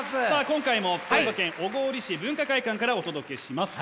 今回も福岡県小郡市文化会館からお届けします。